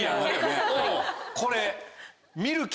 これ。